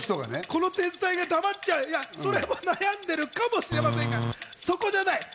この天才が黙っちゃう、それも悩んでるかもしれませんが、そこじゃない。